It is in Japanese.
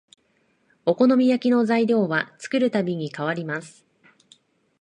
お好み焼きの材料は作るたびに変わります